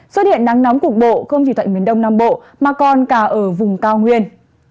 xuất hiện nắng nóng cục bộ không chỉ tại miền đông nam bộ mà còn cả ở vùng cao nguyên